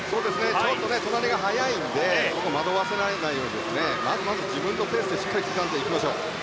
ちょっと隣が速いので惑わせられないようにまず自分のペースで刻んでいきましょう。